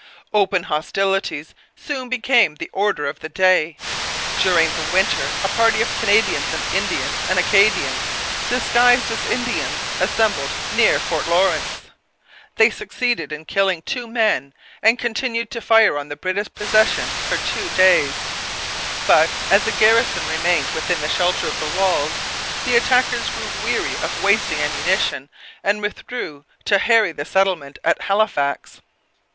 Open hostilities soon became the order of the day. During the winter a party of Canadians and Indians and Acadians disguised as Indians assembled near Fort Lawrence. They succeeded in killing two men, and continued to fire on the British position for two days. But, as the garrison remained within the shelter of the walls, the attackers grew weary of wasting ammunition and withdrew to harry the settlement at Halifax.